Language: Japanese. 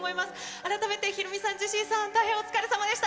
改めてヒロミさん、ジェシーさん、大変お疲れさまでした。